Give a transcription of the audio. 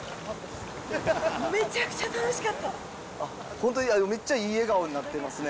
本当、めっちゃいい笑顔になってますね。